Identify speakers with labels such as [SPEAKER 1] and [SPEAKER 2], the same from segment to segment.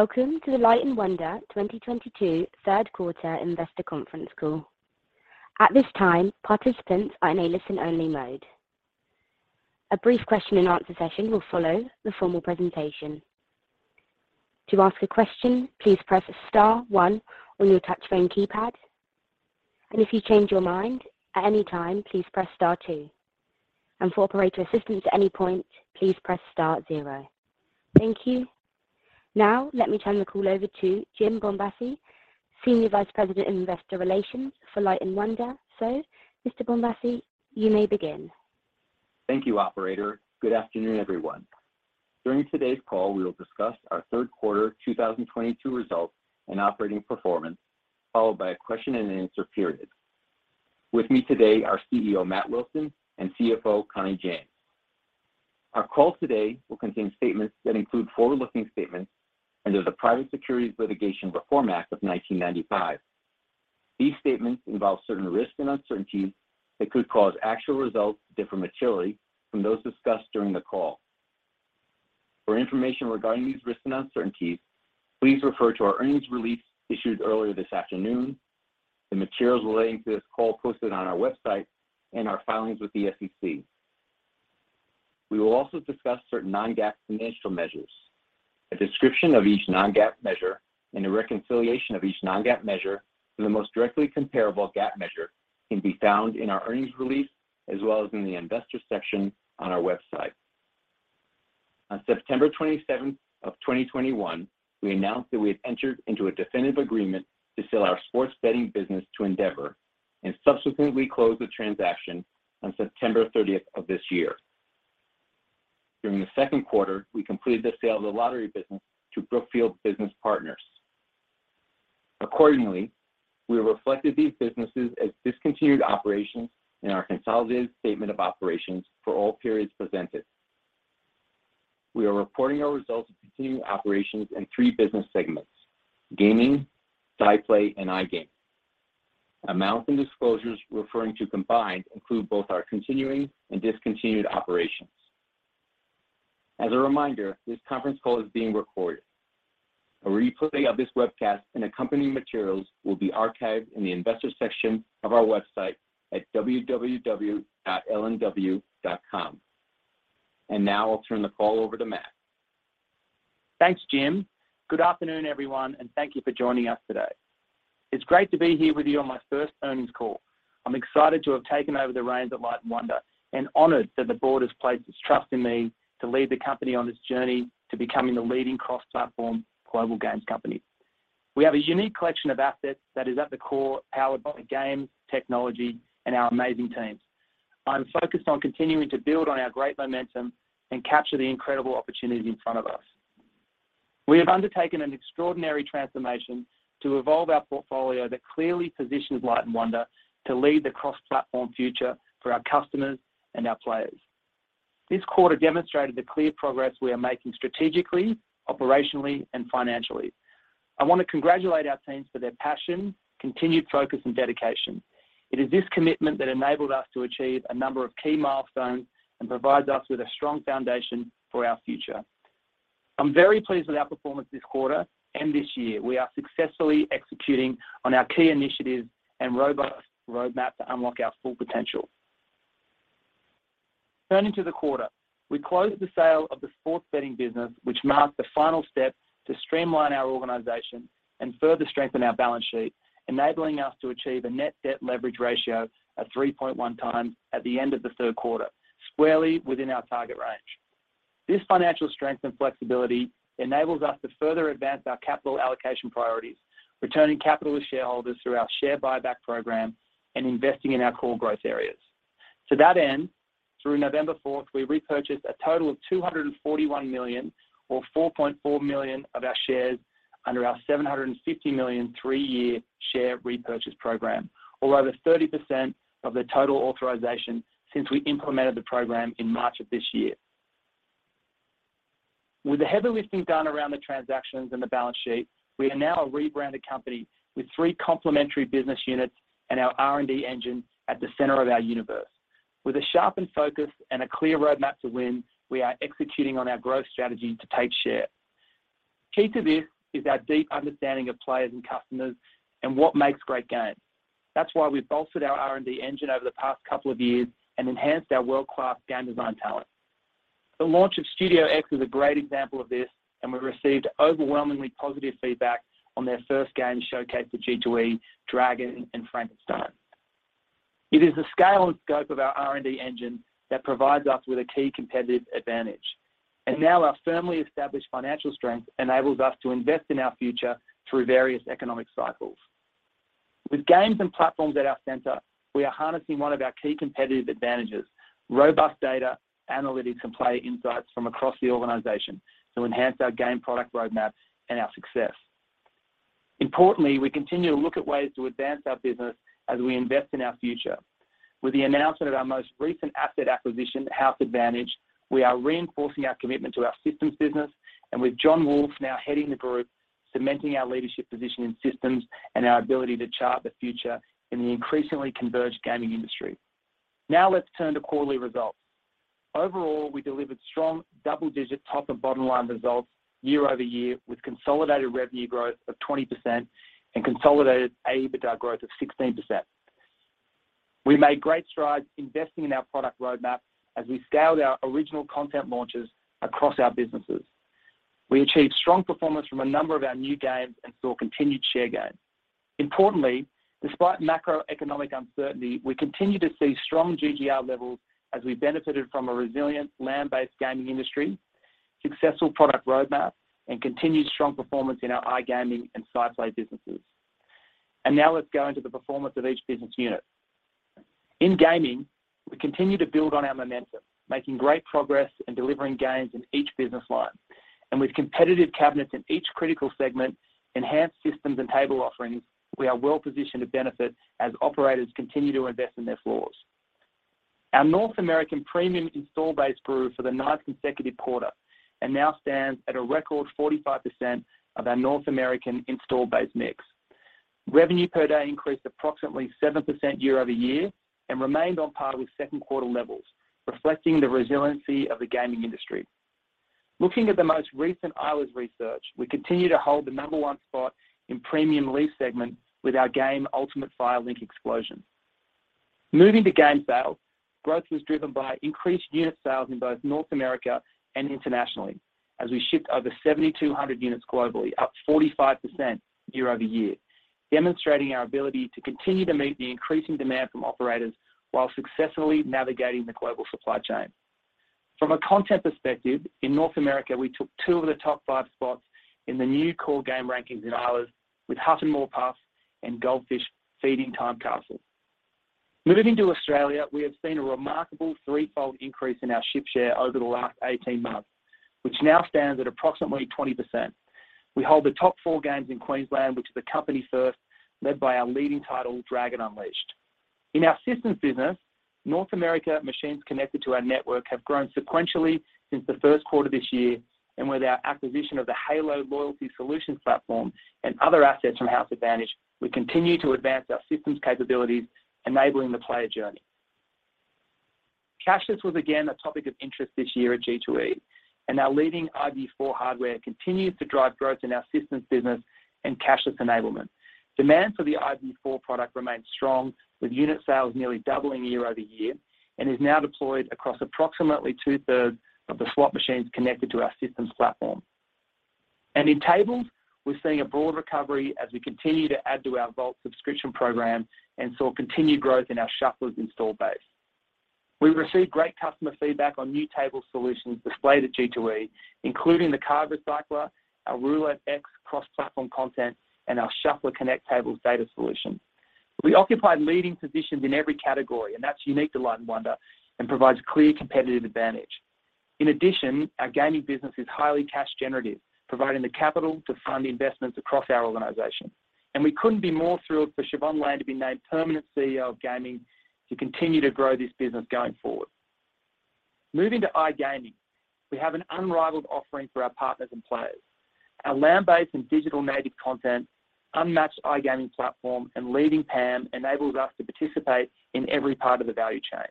[SPEAKER 1] Welcome to the Light & Wonder 2022 Third Quarter Investor Conference Call. At this time, participants are in a listen-only mode. A brief question and answer session will follow the formal presentation. To ask a question, please press star one on your touch phone keypad. And if you change your mind at any time, please press star two. And for operator assistance at any point, please press star zero. Thank you. Now let me turn the call over to Jim Bombassei, Senior Vice President of Investor Relations for Light & Wonder. Mr. Bombassei, you may begin.
[SPEAKER 2] Thank you, operator. Good afternoon, everyone. During today's call, we will discuss our third quarter 2022 results and operating performance, followed by a question and answer period. With me today are CEO Matt Wilson and CFO Connie James. Our call today will contain statements that include forward-looking statements under the Private Securities Litigation Reform Act of 1995. These statements involve certain risks and uncertainties that could cause actual results to differ materially from those discussed during the call. For information regarding these risks and uncertainties, please refer to our earnings release issued earlier this afternoon, the materials relating to this call posted on our website and our filings with the SEC. We will also discuss certain non-GAAP financial measures. A description of each non-GAAP measure and a reconciliation of each non-GAAP measure to the most directly comparable GAAP measure can be found in our earnings release as well as in the Investor section on our website. On September 27th of 2021, we announced that we had entered into a definitive agreement to sell our Sports Betting business to Endeavor and subsequently closed the transaction on September 30th of this year. During the second quarter, we completed the sale of the Lottery business to Brookfield Business Partners. Accordingly, we have reflected these businesses as discontinued operations in our consolidated statement of operations for all periods presented. We are reporting our results of continuing operations in three business segments, Gaming, SciPlay, and iGaming. Amounts and disclosures referring to combined include both our continuing and discontinued operations. As a reminder, this conference call is being recorded. A replay of this webcast and accompanying materials will be archived in the Investor section of our website at www.lnw.com. Now I'll turn the call over to Matt.
[SPEAKER 3] Thanks, Jim. Good afternoon, everyone, and thank you for joining us today. It's great to be here with you on my first earnings call. I'm excited to have taken over the reins at Light & Wonder and honored that the board has placed its trust in me to lead the company on this journey to becoming the leading cross-platform global games company. We have a unique collection of assets that is at the core powered by games, technology, and our amazing teams. I'm focused on continuing to build on our great momentum and capture the incredible opportunity in front of us. We have undertaken an extraordinary transformation to evolve our portfolio that clearly positions Light & Wonder to lead the cross-platform future for our customers and our players. This quarter demonstrated the clear progress we are making strategically, operationally, and financially. I want to congratulate our teams for their passion, continued focus and dedication. It is this commitment that enabled us to achieve a number of key milestones and provides us with a strong foundation for our future. I'm very pleased with our performance this quarter and this year. We are successfully executing on our key initiatives and robust roadmap to unlock our full potential. Turning to the quarter, we closed the sale of the Sports Betting business, which marked the final step to streamline our organization and further strengthen our balance sheet, enabling us to achieve a net debt leverage ratio of 3.1x at the end of the third quarter, squarely within our target range. This financial strength and flexibility enables us to further advance our capital allocation priorities, returning capital to shareholders through our share buyback program and investing in our core growth areas. To that end, through November 4th, we repurchased a total of $241 million or 4.4 million of our shares under our $750 million 3-year share repurchase program or over 30% of the total authorization since we implemented the program in March of this year. With the heavy lifting done around the transactions and the balance sheet, we are now a rebranded company with three complementary business units and our R&D engine at the center of our universe. With a sharpened focus and a clear roadmap to win, we are executing on our growth strategy to take share. Key to this is our deep understanding of players and customers and what makes great games. That's why we've bolstered our R&D engine over the past couple of years and enhanced our world-class game design talent. The launch of Studio X is a great example of this, and we've received overwhelmingly positive feedback on their first game showcase for G2E, Dragon and Frankenstein. It is the scale and scope of our R&D engine that provides us with a key competitive advantage. Now our firmly established financial strength enables us to invest in our future through various economic cycles. With games and platforms at our center, we are harnessing one of our key competitive advantages, robust data, analytics, and player insights from across the organization to enhance our game product roadmap and our success. Importantly, we continue to look at ways to advance our business as we invest in our future. With the announcement of our most recent asset acquisition, House Advantage, we are reinforcing our commitment to our systems business and with Jon Wolfe now heading the group, cementing our leadership position in systems and our ability to chart the future in the increasingly converged gaming industry. Now let's turn to quarterly results. Overall, we delivered strong double-digit top and bottom line results year-over-year with consolidated revenue growth of 20% and consolidated EBITDA growth of 16%. We made great strides investing in our product roadmap as we scaled our original content launches across our businesses. We achieved strong performance from a number of our new games and saw continued share gains. Importantly, despite macroeconomic uncertainty, we continue to see strong GGR levels as we benefited from a resilient land-based gaming industry, successful product roadmap, and continued strong performance in our iGaming and SciPlay businesses. Now let's go into the performance of each business unit. In gaming, we continue to build on our momentum, making great progress and delivering gains in each business line. With competitive cabinets in each critical segment, enhanced systems and table offerings, we are well-positioned to benefit as operators continue to invest in their floors. Our North American premium install base grew for the ninth consecutive quarter and now stands at a record 45% of our North American install base mix. Revenue per day increased approximately 7% year-over-year and remained on par with second quarter levels, reflecting the resiliency of the gaming industry. Looking at the most recent Eilers research, we continue to hold the number one spot in premium lease segment with our game, Ultimate Fire Link Explosion. Moving to game sales, growth was driven by increased unit sales in both North America and internationally as we shipped over 7,200 units globally, up 45% year-over-year, demonstrating our ability to continue to meet the increasing demand from operators while successfully navigating the global supply chain. From a content perspective, in North America, we took two of the top five spots in the new core game rankings in Eilers with Huff N' More Puff and Goldfish Feeding Time. Moving to Australia, we have seen a remarkable 3-fold increase in our ship share over the last 18 months, which now stands at approximately 20%. We hold the top 4 games in Queensland, which is a company first led by our leading title, Dragon Unleashed. In our systems business, North America machines connected to our network have grown sequentially since the first quarter this year, and with our acquisition of the HALo Loyalty Solutions platform and other assets from House Advantage, we continue to advance our systems capabilities, enabling the player journey. Cashless was again a topic of interest this year at G2E, and our leading iVIEW 4 hardware continues to drive growth in our systems business and cashless enablement. Demand for the iVIEW 4 product remains strong with unit sales nearly doubling year-over-year and is now deployed across approximately two-thirds of the slot machines connected to our systems platform. In tables, we're seeing a broad recovery as we continue to add to our Vault subscription program and saw continued growth in our shufflers installed base. We received great customer feedback on new table solutions displayed at G2E, including the Card Recycler, our Roulette X cross-platform content, and our Shuffler Connect tables data solution. We occupy leading positions in every category, and that's unique to Light & Wonder and provides a clear competitive advantage. In addition, our gaming business is highly cash generative, providing the capital to fund investments across our organization. We couldn't be more thrilled for Siobhan Lane to be named permanent CEO of gaming to continue to grow this business going forward. Moving to iGaming, we have an unrivaled offering for our partners and players. Our land-based and digital-native content, unmatched iGaming platform, and leading PAM enables us to participate in every part of the value chain.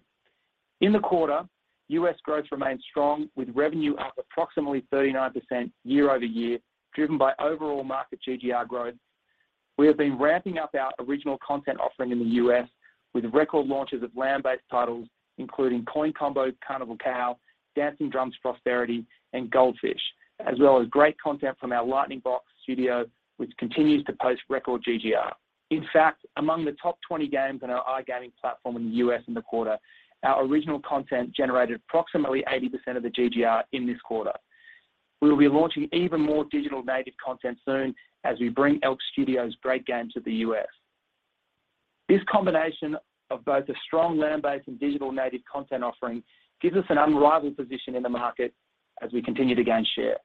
[SPEAKER 3] In the quarter, U.S. growth remained strong with revenue up approximately 39% year-over-year, driven by overall market GGR growth. We have been ramping up our original content offering in the U.S. with record launches of land-based titles, including Coin Combo Carnival Cow, Dancing Drums Prosperity, and Goldfish, as well as great content from our Lightning Box studio, which continues to post record GGR. In fact, among the top 20 games on our iGaming platform in the U.S. in the quarter, our original content generated approximately 80% of the GGR in this quarter. We will be launching even more digital-native content soon as we bring Elk Studios' great games to the U.S. This combination of both a strong land-based and digital-native content offering gives us an unrivaled position in the market as we continue to gain share.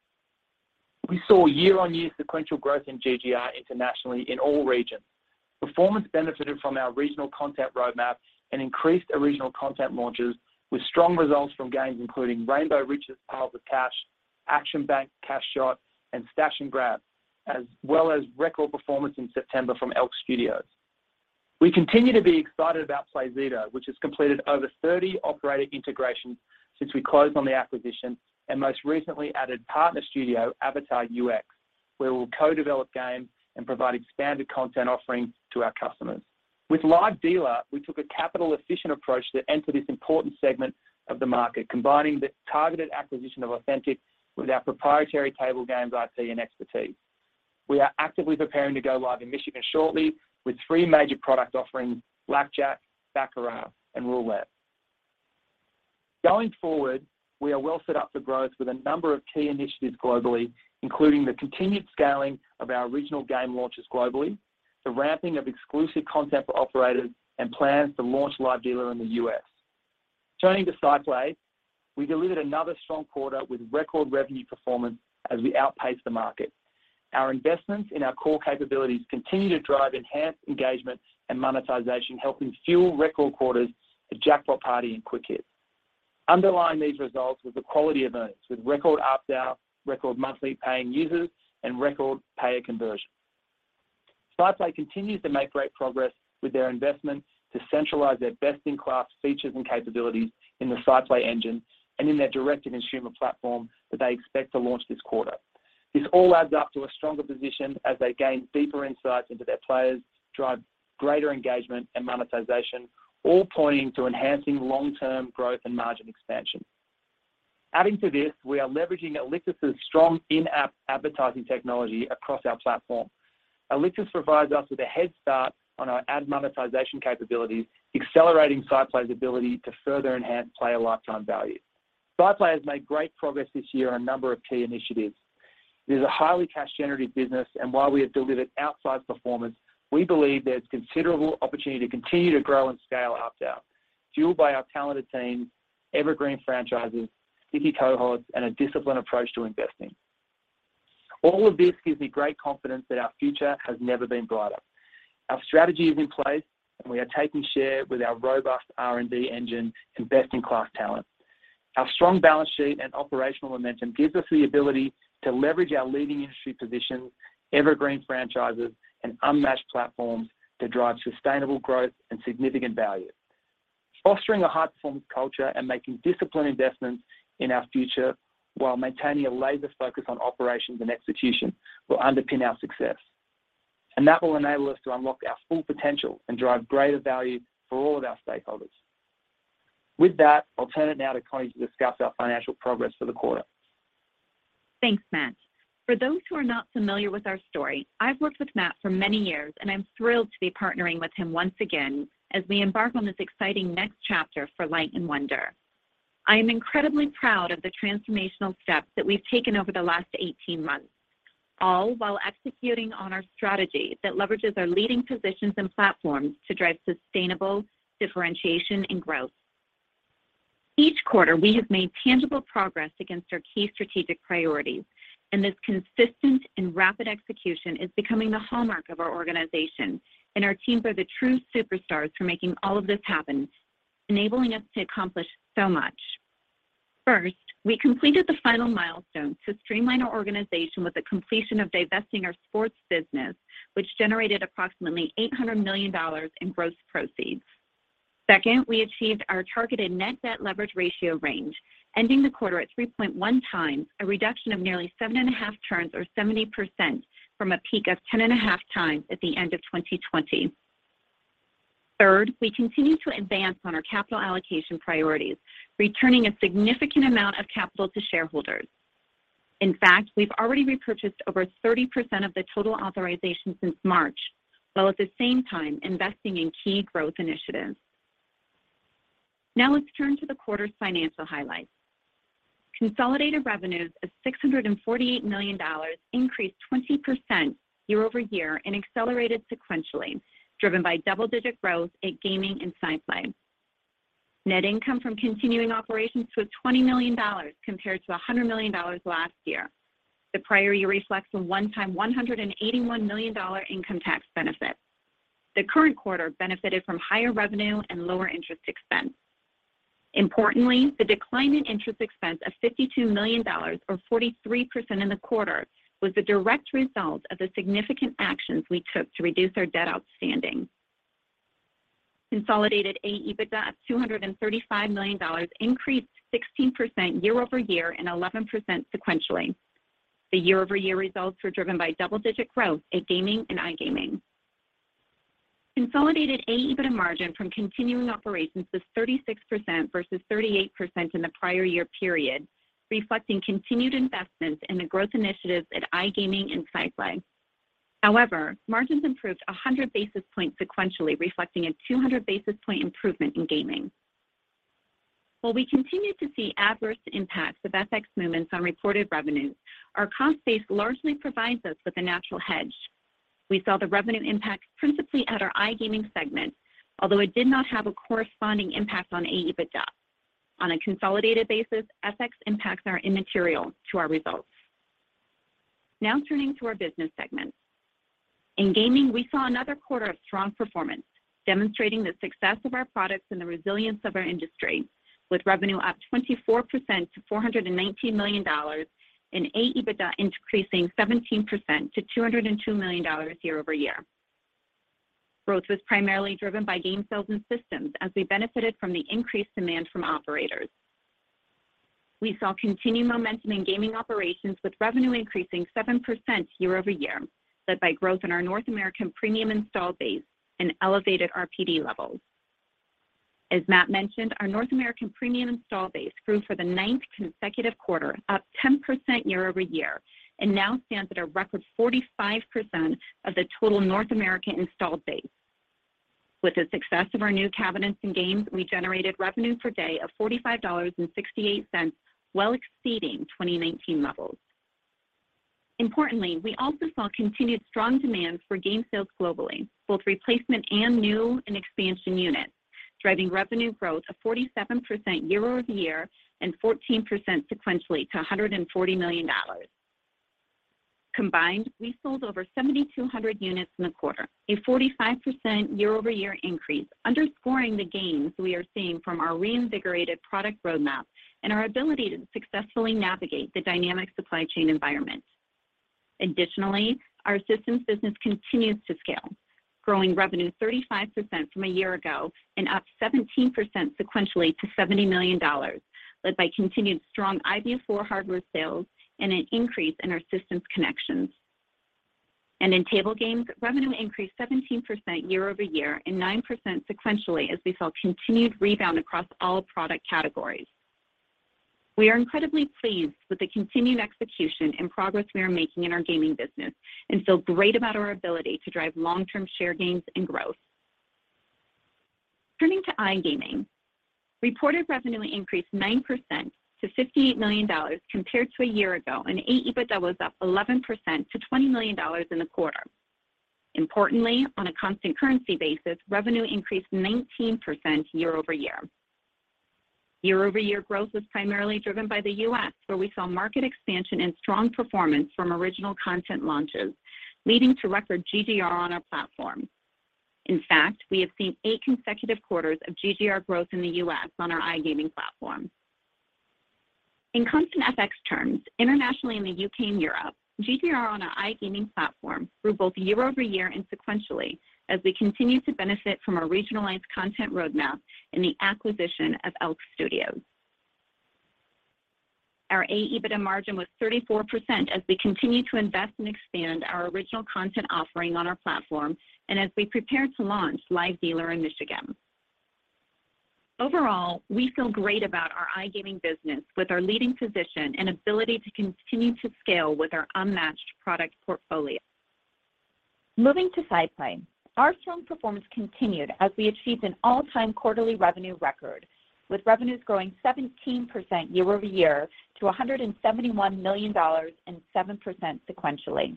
[SPEAKER 3] We saw year-on-year sequential growth in GGR internationally in all regions. Performance benefited from our regional content roadmap and increased original content launches with strong results from games, including Rainbow Riches Pots of Cash, Action Bank, Cash Shot, and Stash and Grab, as well as record performance in September from Elk Studios. We continue to be excited about Playzido, which has completed over 30 operator integrations since we closed on the acquisition and most recently added partner studio, AvatarUX, where we'll co-develop games and provide expanded content offerings to our customers. With Live Dealer, we took a capital-efficient approach to enter this important segment of the market, combining the targeted acquisition of Authentic Gaming with our proprietary table games IP and expertise. We are actively preparing to go live in Michigan shortly with 3 major product offerings, Blackjack, Baccarat, and Roulette. Going forward, we are well set up for growth with a number of key initiatives globally, including the continued scaling of our original game launches globally, the ramping of exclusive content for operators, and plans to launch Live Dealer in the U.S. Turning to SciPlay, we delivered another strong quarter with record revenue performance as we outpace the market. Our investments in our core capabilities continue to drive enhanced engagement and monetization, helping fuel record quarters at Jackpot Party and Quick Hit. Underlying these results was the quality of earnings, with record ARPDAU, record monthly paying users, and record payer conversion. SciPlay continues to make great progress with their investments to centralize their best-in-class features and capabilities in the SciPlay engine and in their direct-to-consumer platform that they expect to launch this quarter. This all adds up to a stronger position as they gain deeper insights into their players, drive greater engagement and monetization, all pointing to enhancing long-term growth and margin expansion. Adding to this, we are leveraging Alictus' strong in-app advertising technology across our platform. Alictus provides us with a head start on our ad monetization capabilities, accelerating SciPlay's ability to further enhance player lifetime value. SciPlay has made great progress this year on a number of key initiatives. It is a highly cash generative business, and while we have delivered outsized performance, we believe there's considerable opportunity to continue to grow and scale up now, fueled by our talented teams, evergreen franchises, sticky cohorts, and a disciplined approach to investing. All of this gives me great confidence that our future has never been brighter. Our strategy is in place, and we are taking share with our robust R&D engine and best-in-class talent. Our strong balance sheet and operational momentum gives us the ability to leverage our leading industry positions, evergreen franchises, and unmatched platforms to drive sustainable growth and significant value. Fostering a high-performance culture and making disciplined investments in our future while maintaining a laser focus on operations and execution will underpin our success, and that will enable us to unlock our full potential and drive greater value for all of our stakeholders. With that, I'll turn it now to Connie to discuss our financial progress for the quarter.
[SPEAKER 4] Thanks, Matt. For those who are not familiar with our story, I've worked with Matt for many years, and I'm thrilled to be partnering with him once again as we embark on this exciting next chapter for Light & Wonder. I am incredibly proud of the transformational steps that we've taken over the last 18 months, all while executing on our strategy that leverages our leading positions and platforms to drive sustainable differentiation and growth. Each quarter, we have made tangible progress against our key strategic priorities, and this consistent and rapid execution is becoming the hallmark of our organization, and our teams are the true superstars for making all of this happen, enabling us to accomplish so much. First, we completed the final milestone to streamline our organization with the completion of divesting our sports business, which generated approximately $800 million in gross proceeds. Second, we achieved our targeted net debt leverage ratio range, ending the quarter at 3.1x, a reduction of nearly 7.5 turns or 70% from a peak of 10.5x at the end of 2020. Third, we continue to advance on our capital allocation priorities, returning a significant amount of capital to shareholders. In fact, we've already repurchased over 30% of the total authorization since March, while at the same time investing in key growth initiatives. Now let's turn to the quarter's financial highlights. Consolidated revenues of $648 million increased 20% year-over-year and accelerated sequentially, driven by double-digit growth at Gaming and SciPlay. Net income from continuing operations was $20 million compared to $100 million last year. The prior year reflects a one-time $181 million income tax benefit. The current quarter benefited from higher revenue and lower interest expense. Importantly, the decline in interest expense of $52 million or 43% in the quarter was the direct result of the significant actions we took to reduce our debt outstanding. Consolidated AEBITDA of $235 million increased 16% year-over-year and 11% sequentially. The year-over-year results were driven by double-digit growth at Gaming and iGaming. Consolidated AEBITDA margin from continuing operations was 36% versus 38% in the prior year period, reflecting continued investments in the growth initiatives at iGaming and SciPlay. However, margins improved 100 basis points sequentially, reflecting a 200 basis point improvement in Gaming. While we continue to see adverse impacts of FX movements on reported revenues, our cost base largely provides us with a natural hedge. We saw the revenue impact principally at our iGaming segment, although it did not have a corresponding impact on AEBITDA. On a consolidated basis, FX impacts are immaterial to our results. Now turning to our business segments. In Gaming, we saw another quarter of strong performance, demonstrating the success of our products and the resilience of our industry, with revenue up 24% to $419 million and AEBITDA increasing 17% to $202 million year-over-year. Growth was primarily driven by game sales and systems as we benefited from the increased demand from operators. We saw continued momentum in Gaming operations with revenue increasing 7% year-over-year, led by growth in our North American premium install base and elevated RPD levels. As Matt mentioned, our North American premium install base grew for the 9th consecutive quarter, up 10% year-over-year, and now stands at a record 45% of the total North American installed base. With the success of our new cabinets and games, we generated revenue per day of $45.68, well exceeding 2019 levels. Importantly, we also saw continued strong demand for game sales globally, both replacement and new and expansion units, driving revenue growth of 47% year-over-year and 14% sequentially to $140 million. Combined, we sold over 7,200 units in the quarter, a 45% year-over-year increase, underscoring the gains we are seeing from our reinvigorated product roadmap and our ability to successfully navigate the dynamic supply chain environment. Additionally, our systems business continues to scale, growing revenue 35% from a year ago and up 17% sequentially to $70 million, led by continued strong iVIEW 4 hardware sales and an increase in our systems connections. In table games, revenue increased 17% year-over-year and 9% sequentially as we saw continued rebound across all product categories. We are incredibly pleased with the continued execution and progress we are making in our gaming business and feel great about our ability to drive long-term share gains and growth. Turning to iGaming, reported revenue increased 9% to $58 million compared to a year ago, and AEBITDA was up 11% to $20 million in the quarter. Importantly, on a constant currency basis, revenue increased 19% year-over-year. Year-over-year growth was primarily driven by the U.S., where we saw market expansion and strong performance from original content launches, leading to record GGR on our platform. In fact, we have seen 8 consecutive quarters of GGR growth in the U.S. on our iGaming platform. In constant FX terms, internationally in the U.K. and Europe, GGR on our iGaming platform grew both year-over-year and sequentially as we continue to benefit from our regionalized content roadmap and the acquisition of Elk Studios. Our AEBITDA margin was 34% as we continue to invest and expand our original content offering on our platform and as we prepare to launch Live Dealer in Michigan. Overall, we feel great about our iGaming business with our leading position and ability to continue to scale with our unmatched product portfolio. Moving to SciPlay, our strong performance continued as we achieved an all-time quarterly revenue record, with revenues growing 17% year-over-year to $171 million and 7% sequentially.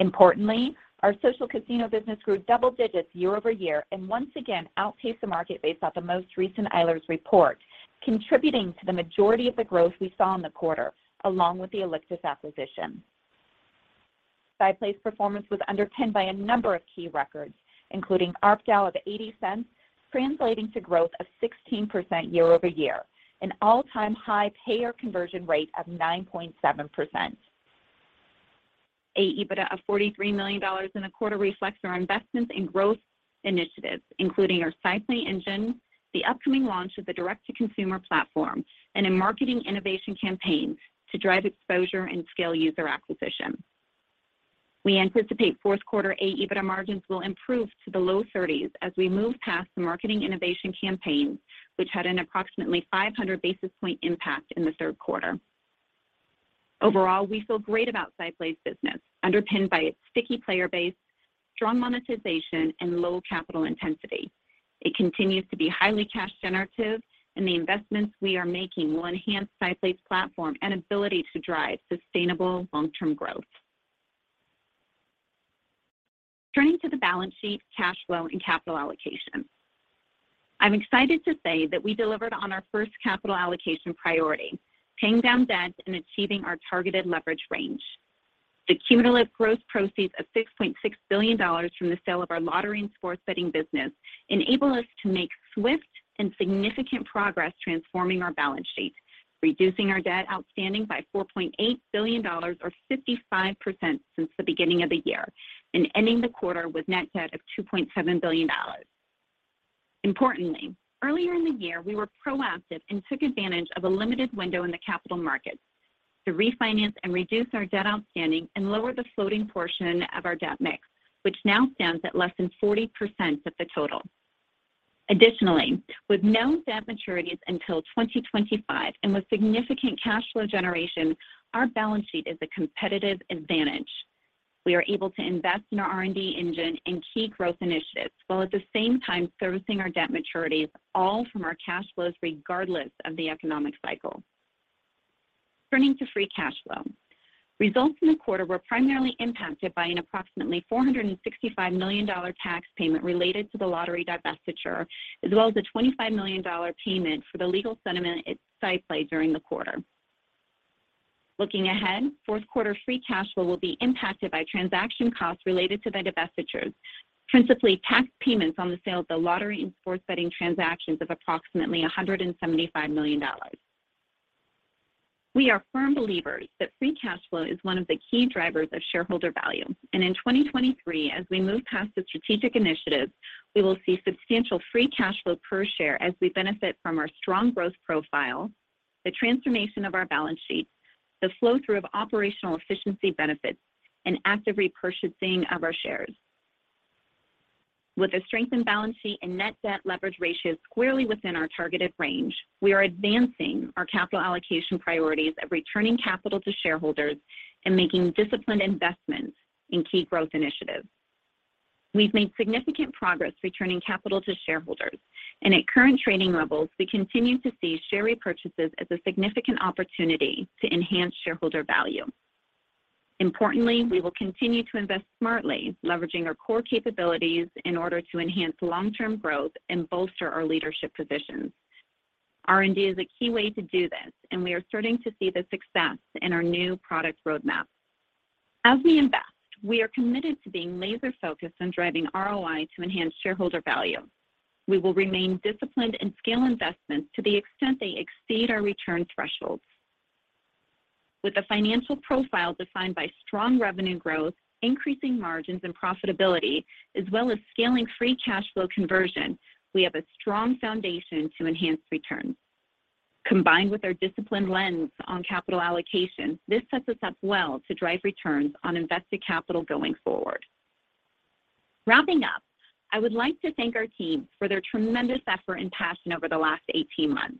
[SPEAKER 4] Importantly, our social casino business grew double digits year-over-year and once again outpaced the market based off the most recent Eilers report, contributing to the majority of the growth we saw in the quarter, along with the Alictus acquisition. SciPlay's performance was underpinned by a number of key records, including ARPDAU of $0.80, translating to growth of 16% year-over-year, an all-time high payer conversion rate of 9.7%. AEBITDA of $43 million in the quarter reflects our investments in growth initiatives, including our SciPlay engine, the upcoming launch of the direct-to-consumer platform, and a marketing innovation campaign to drive exposure and scale user acquisition. We anticipate fourth quarter AEBITDA margins will improve to the low 30s as we move past the marketing innovation campaign, which had an approximately 500 basis point impact in the third quarter. Overall, we feel great about SciPlay's business, underpinned by its sticky player base, strong monetization, and low capital intensity. It continues to be highly cash generative, and the investments we are making will enhance SciPlay's platform and ability to drive sustainable long-term growth. Turning to the balance sheet, cash flow, and capital allocation. I'm excited to say that we delivered on our first capital allocation priority, paying down debt and achieving our targeted leverage range. The cumulative gross proceeds of $6.6 billion from the sale of our lottery and sports betting business enable us to make swift and significant progress transforming our balance sheet, reducing our debt outstanding by $4.8 billion or 55% since the beginning of the year and ending the quarter with net debt of $2.7 billion. Importantly, earlier in the year, we were proactive and took advantage of a limited window in the capital markets to refinance and reduce our debt outstanding and lower the floating portion of our debt mix, which now stands at less than 40% of the total. Additionally, with no debt maturities until 2025 and with significant cash flow generation, our balance sheet is a competitive advantage. We are able to invest in our R&D engine and key growth initiatives while at the same time servicing our debt maturities all from our cash flows regardless of the economic cycle. Turning to free cash flow. Results in the quarter were primarily impacted by an approximately $465 million tax payment related to the lottery divestiture as well as a $25 million payment for the legal settlement at SciPlay during the quarter. Looking ahead, fourth quarter free cash flow will be impacted by transaction costs related to the divestitures, principally tax payments on the sale of the lottery and sports betting transactions of approximately $175 million. We are firm believers that free cash flow is one of the key drivers of shareholder value, and in 2023, as we move past the strategic initiatives, we will see substantial free cash flow per share as we benefit from our strong growth profile, the transformation of our balance sheet, the flow-through of operational efficiency benefits, and active repurchasing of our shares. With a strengthened balance sheet and net debt leverage ratio squarely within our targeted range, we are advancing our capital allocation priorities of returning capital to shareholders and making disciplined investments in key growth initiatives. We've made significant progress returning capital to shareholders, and at current trading levels, we continue to see share repurchases as a significant opportunity to enhance shareholder value. Importantly, we will continue to invest smartly, leveraging our core capabilities in order to enhance long-term growth and bolster our leadership positions. R&D is a key way to do this, and we are starting to see the success in our new product roadmap. As we invest, we are committed to being laser-focused on driving ROI to enhance shareholder value. We will remain disciplined and scale investments to the extent they exceed our return thresholds. With a financial profile defined by strong revenue growth, increasing margins and profitability as well as scaling free cash flow conversion, we have a strong foundation to enhance returns. Combined with our disciplined lens on capital allocation, this sets us up well to drive returns on invested capital going forward. Wrapping up, I would like to thank our team for their tremendous effort and passion over the last eighteen months.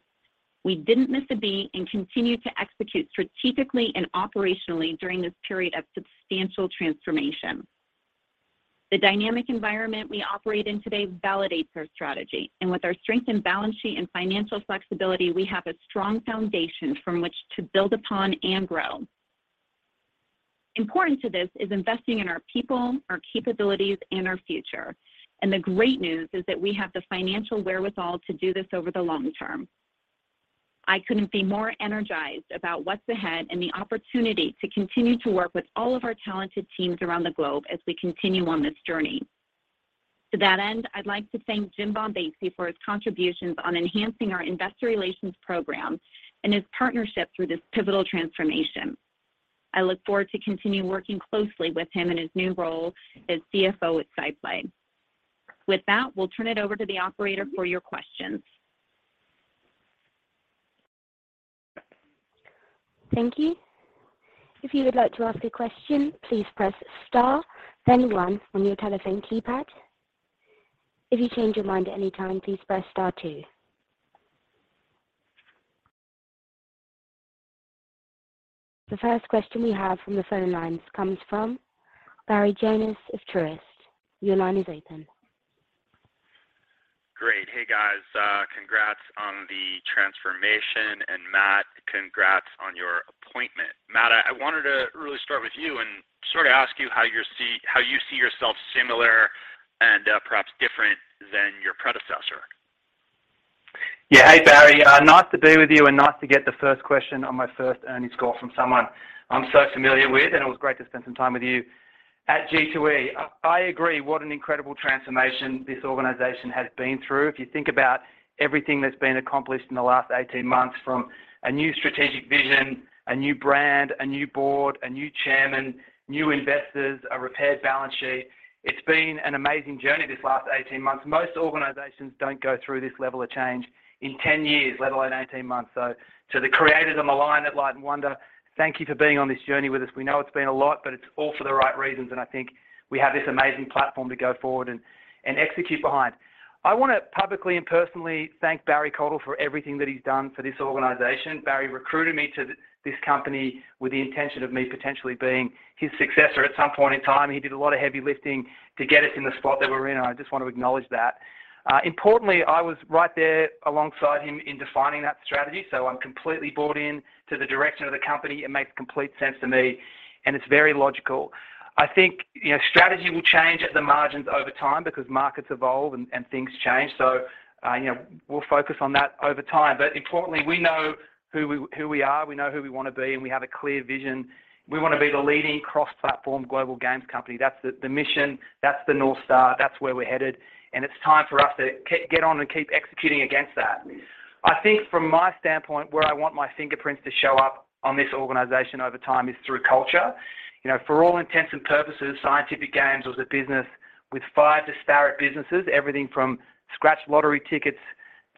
[SPEAKER 4] We didn't miss a beat and continued to execute strategically and operationally during this period of substantial transformation. The dynamic environment we operate in today validates our strategy and with our strength and balance sheet and financial flexibility, we have a strong foundation from which to build upon and grow. Important to this is investing in our people, our capabilities and our future. The great news is that we have the financial wherewithal to do this over the long term. I couldn't be more energized about what's ahead and the opportunity to continue to work with all of our talented teams around the globe as we continue on this journey. To that end, I'd like to thank Jim Bombassei for his contributions on enhancing our investor relations program and his partnership through this pivotal transformation. I look forward to continue working closely with him in his new role as CFO at SciPlay. With that, we'll turn it over to the operator for your questions.
[SPEAKER 1] Thank you. If you would like to ask a question, please press star then one on your telephone keypad. If you change your mind at any time, please press star two. The first question we have from the phone lines comes from Barry Jonas of Truist. Your line is open.
[SPEAKER 5] Great. Hey, guys, congrats on the transformation. Matt, congrats on your appointment. Matt, I wanted to really start with you and sort of ask you how you see yourself similar and perhaps different than your predecessor.
[SPEAKER 3] Yeah. Hey, Barry. Nice to be with you and nice to get the first question on my first earnings call from someone I'm so familiar with, and it was great to spend some time with you at G2E. I agree. What an incredible transformation this organization has been through. If you think about everything that's been accomplished in the last 18 months from a new strategic vision, a new brand, a new board, a new chairman, new investors, a repaired balance sheet, it's been an amazing journey this last 18 months. Most organizations don't go through this level of change in 10 years, let alone 18 months. To the creators on the line at Light & Wonder, thank you for being on this journey with us. We know it's been a lot, but it's all for the right reasons, and I think we have this amazing platform to go forward and execute behind. I wanna publicly and personally thank Barry Cottle for everything that he's done for this organization. Barry recruited me to this company with the intention of me potentially being his successor at some point in time. He did a lot of heavy lifting to get us in the spot that we're in. I just want to acknowledge that. Importantly, I was right there alongside him in defining that strategy. I'm completely bought in to the direction of the company. It makes complete sense to me, and it's very logical. I think, you know, strategy will change at the margins over time because markets evolve and things change. You know, we'll focus on that over time. Importantly, we know who we are, we know who we wanna be, and we have a clear vision. We wanna be the leading cross-platform global games company. That's the mission, that's the North Star, that's where we're headed, and it's time for us to get on and keep executing against that. I think from my standpoint, where I want my fingerprints to show up on this organization over time is through culture. You know, for all intents and purposes, Scientific Games was a business with five disparate businesses, everything from scratch lottery tickets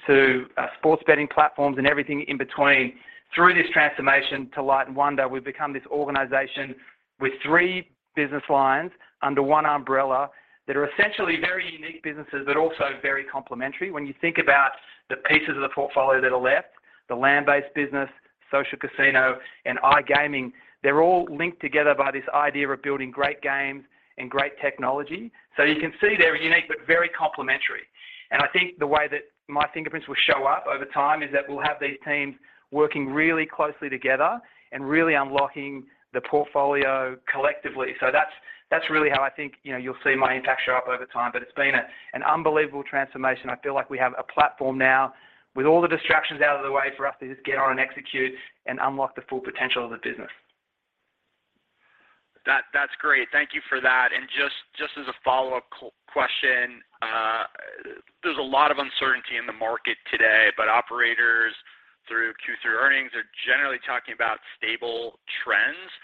[SPEAKER 3] to sports betting platforms and everything in between. Through this transformation to Light & Wonder, we've become this organization with three business lines under one umbrella that are essentially very unique businesses but also very complementary. When you think about the pieces of the portfolio that are left, the land-based business, social casino, and iGaming, they're all linked together by this idea of building great games and great technology. You can see they're unique but very complimentary. I think the way that my fingerprints will show up over time is that we'll have these teams working really closely together and really unlocking the portfolio collectively. That's really how I think, you know, you'll see my impact show up over time. It's been an unbelievable transformation. I feel like we have a platform now with all the distractions out of the way for us to just get on and execute and unlock the full potential of the business.
[SPEAKER 5] That, that's great. Thank you for that. Just as a follow-up question, there's a lot of uncertainty in the market today, but operators through Q3 earnings are generally talking about stable trends.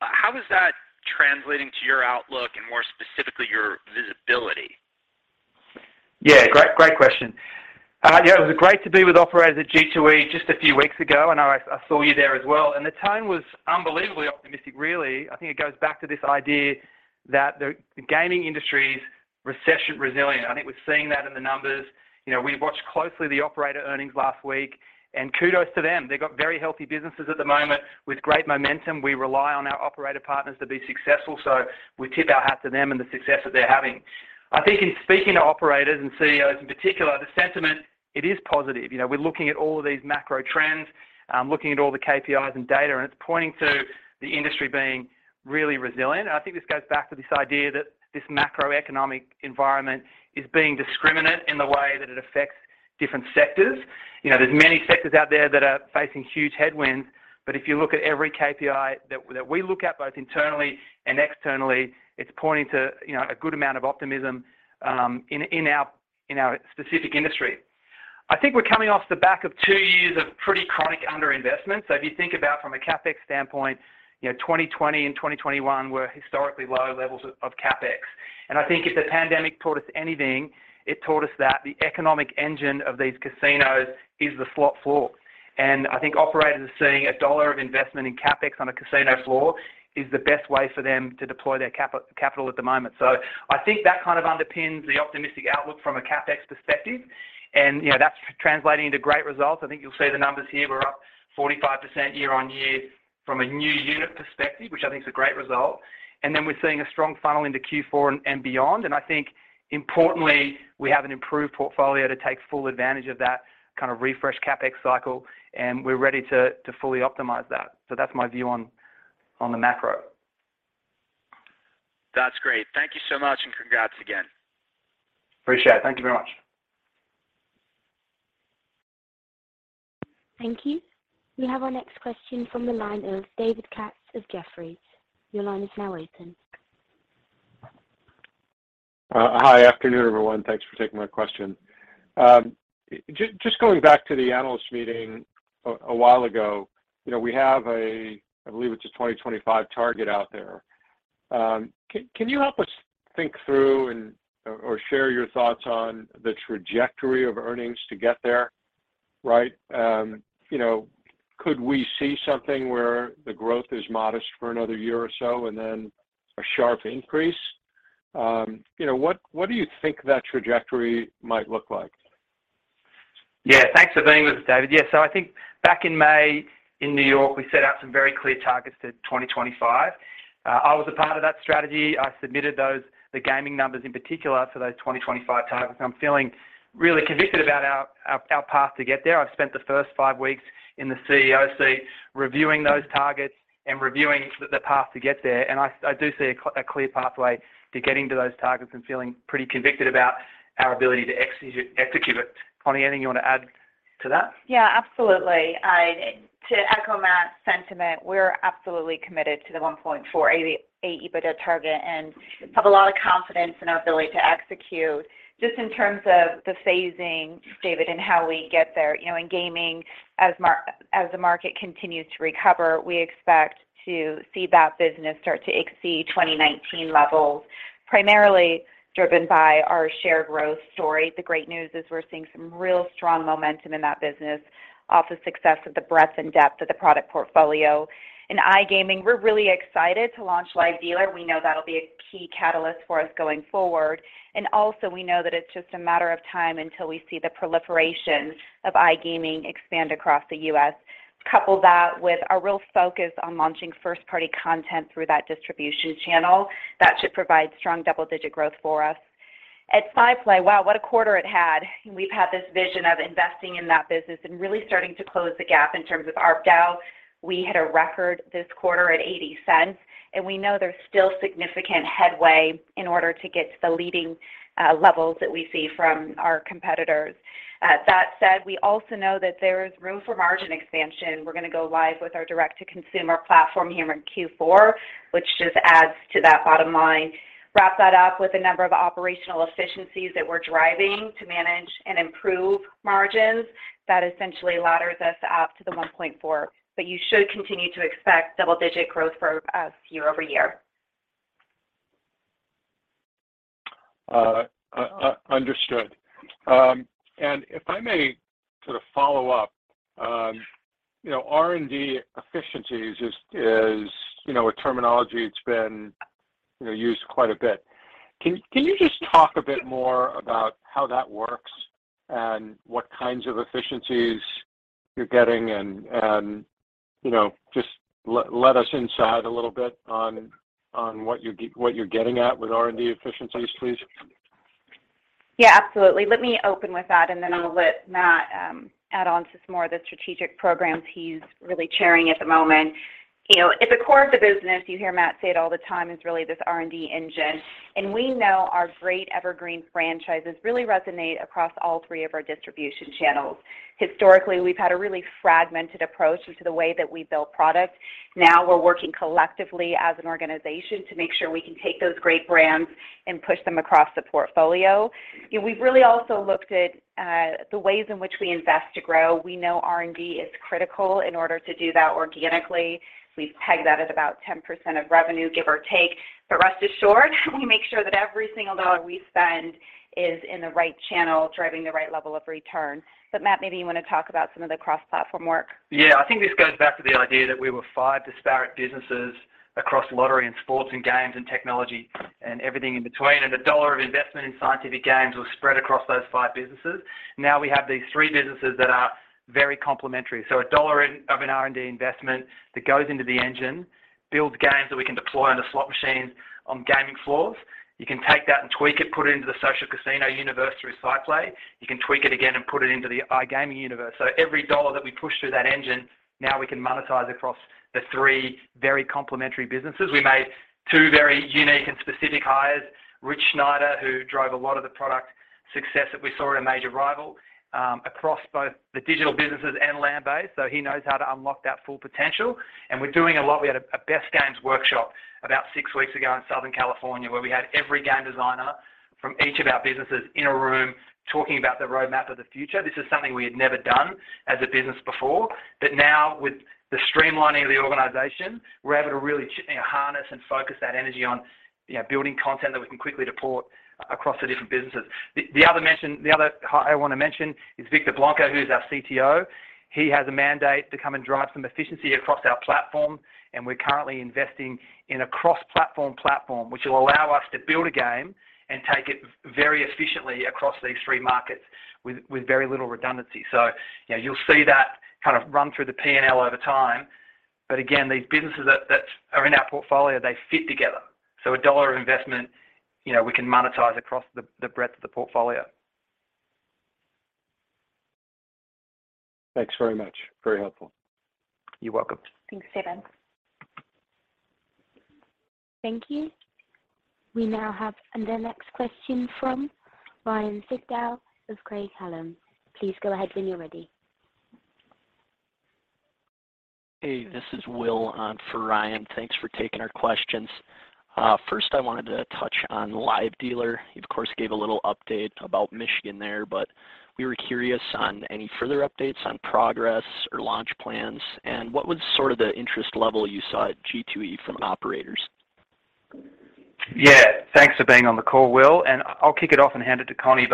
[SPEAKER 5] How is that translating to your outlook and more specifically, your visibility?
[SPEAKER 3] Yeah. Great, great question. Yeah, it was great to be with operators at G2E just a few weeks ago, and I saw you there as well. The tone was unbelievably optimistic really. I think it goes back to this idea that the gaming industry is recession resilient. I think we're seeing that in the numbers. You know, we've watched closely the operator earnings last week, and kudos to them. They've got very healthy businesses at the moment with great momentum. We rely on our operator partners to be successful, so we tip our hat to them and the success that they're having. I think in speaking to operators and CEOs in particular, the sentiment it is positive. You know, we're looking at all of these macro trends, looking at all the KPIs and data, and it's pointing to the industry being really resilient. I think this goes back to this idea that this macroeconomic environment is being discriminatory in the way that it affects different sectors. You know, there's many sectors out there that are facing huge headwinds. If you look at every KPI that we look at both internally and externally, it's pointing to, you know, a good amount of optimism in our specific industry. I think we're coming off the back of two years of pretty chronic underinvestment. If you think about from a CapEx standpoint, you know, 2020 and 2021 were historically low levels of CapEx. I think if the pandemic taught us anything, it taught us that the economic engine of these casinos is the slot floor. I think operators are seeing a dollar of investment in CapEx on a casino floor is the best way for them to deploy their capital at the moment. I think that kind of underpins the optimistic outlook from a CapEx perspective, and, you know, that's translating into great results. I think you'll see the numbers here, we're up 45% year-on-year from a new unit perspective, which I think is a great result. We're seeing a strong funnel into Q4 and beyond. I think importantly, we have an improved portfolio to take full advantage of that kind of refreshed CapEx cycle, and we're ready to fully optimize that. That's my view on the macro.
[SPEAKER 5] That's great. Thank you so much, and congrats again.
[SPEAKER 3] Appreciate it. Thank you very much.
[SPEAKER 1] Thank you. We have our next question from the line of David Katz of Jefferies. Your line is now open.
[SPEAKER 6] Hi. Afternoon, everyone. Thanks for taking my question. Just going back to the analyst meeting a while ago, you know, we have a, I believe it's a 2025 target out there. Can you help us think through or share your thoughts on the trajectory of earnings to get there, right? You know, could we see something where the growth is modest for another year or so and then a sharp increase? You know, what do you think that trajectory might look like?
[SPEAKER 3] Yeah. Thanks for being with us, David. Yeah. I think back in May in New York, we set out some very clear targets to 2025. I was a part of that strategy. I submitted those, the gaming numbers in particular for those 2025 targets, and I'm feeling really convicted about our path to get there. I've spent the first five weeks in the CEO seat reviewing those targets and reviewing the path to get there, and I do see a clear pathway to getting to those targets and feeling pretty convicted about our ability to execute it. Connie, anything you want to add to that?
[SPEAKER 4] Yeah, absolutely. To echo Matt's sentiment, we're absolutely committed to the 1.4 AEBITDA target and have a lot of confidence in our ability to execute. Just in terms of the phasing, David, and how we get there. You know, in gaming, as the market continues to recover, we expect to see that business start to exceed 2019 levels, primarily driven by our shared growth story. The great news is we're seeing some real strong momentum in that business off the success of the breadth and depth of the product portfolio. In iGaming, we're really excited to launch live dealer. We know that'll be a key catalyst for us going forward. We know that it's just a matter of time until we see the proliferation of iGaming expand across the U.S. Couple that with our real focus on launching first-party content through that distribution channel. That should provide strong double-digit growth for us. At SciPlay, wow, what a quarter it had. We've had this vision of investing in that business and really starting to close the gap in terms of ARPDAU. We hit a record this quarter at $0.80, and we know there's still significant headway in order to get to the leading levels that we see from our competitors. That said, we also know that there is room for margin expansion. We're gonna go live with our direct-to-consumer platform here in Q4, which just adds to that bottom line. Wrap that up with a number of operational efficiencies that we're driving to manage and improve margins, that essentially ladders us up to the $1.40. You should continue to expect double-digit growth for us year-over-year.
[SPEAKER 6] Understood. If I may sort of follow up, you know, R&D efficiencies is, you know, a terminology that's been, you know, used quite a bit. Can you just talk a bit more about how that works and what kinds of efficiencies you're getting and, you know, just let us inside a little bit on what you're getting at with R&D efficiencies, please?
[SPEAKER 4] Yeah, absolutely. Let me open with that, and then I'll let Matt add on to some more of the strategic programs he's really chairing at the moment. You know, at the core of the business, you hear Matt say it all the time, is really this R&D engine, and we know our great evergreen franchises really resonate across all three of our distribution channels. Historically, we've had a really fragmented approach into the way that we build products. Now we're working collectively as an organization to make sure we can take those great brands and push them across the portfolio. You know, we've really also looked at the ways in which we invest to grow. We know R&D is critical in order to do that organically. We've pegged that at about 10% of revenue, give or take. Rest assured, we make sure that every single dollar we spend is in the right channel, driving the right level of return. Matt, maybe you wanna talk about some of the cross-platform work.
[SPEAKER 3] Yeah. I think this goes back to the idea that we were five disparate businesses across lottery and sports and games and technology and everything in between, and a dollar of investment in Scientific Games was spread across those five businesses. Now we have these three businesses that are very complementary. A dollar of an R&D investment that goes into the engine builds games that we can deploy on the slot machines on gaming floors. You can take that and tweak it, put it into the social casino universe through SciPlay. You can tweak it again and put it into the iGaming universe. Every dollar that we push through that engine, now we can monetize across the three very complementary businesses. We made two very unique and specific hires. Rich Schneider, who drove a lot of the product success that we saw at a major rival, across both the digital businesses and land-based, so he knows how to unlock that full potential. We're doing a lot. We had a best games workshop about six weeks ago in Southern California, where we had every game designer from each of our businesses in a room talking about the roadmap of the future. This is something we had never done as a business before. Now with the streamlining of the organization, we're able to really harness and focus that energy on, you know, building content that we can quickly deploy across the different businesses. The other I wanna mention is Victor Blanco, who's our CTO. He has a mandate to come and drive some efficiency across our platform, and we're currently investing in a cross-platform platform, which will allow us to build a game and take it very efficiently across these three markets with very little redundancy. You know, you'll see that kind of run through the P&L over time. Again, these businesses that are in our portfolio, they fit together. A dollar of investment, you know, we can monetize across the breadth of the portfolio.
[SPEAKER 6] Thanks very much. Very helpful.
[SPEAKER 3] You're welcome.
[SPEAKER 4] Thanks, David.
[SPEAKER 1] Thank you. We now have the next question from Ryan Sigdahl of Craig-Hallum. Please go ahead when you're ready.
[SPEAKER 7] Hey, this is Will for Ryan. Thanks for taking our questions. First, I wanted to touch on live dealer. You of course gave a little update about Michigan there, but we were curious on any further updates on progress or launch plans and what was sort of the interest level you saw at G2E from operators?
[SPEAKER 3] Yeah. Thanks for being on the call, Will, and I'll kick it off and hand it to Connie.